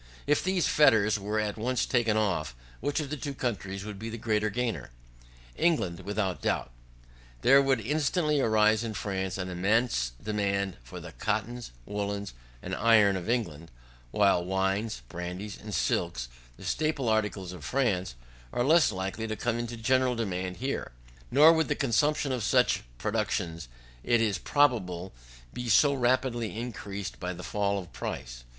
If these fetters were at once taken off, which of the two countries would be the greatest gainer? England without doubt. There would instantly arise in France an immense demand for the cottons, woollens, and iron of England; while wines, brandies, and silks, the staple articles of France, are less likely to come into general demand here, nor would the consumption of such productions, it is probable, be so rapidly increased by the fall of price.